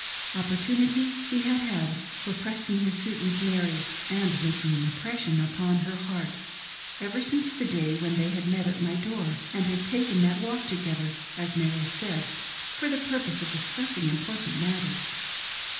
Opportunity he had had for pressing his suit with Mary and making an impression upon her heart, ever since the day when they had met at my door, and had taken that walk together, as Mary said, for the purpose of discussing important mat ters.